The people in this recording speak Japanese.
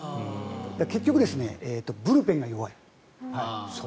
結局、ブルペンが弱い。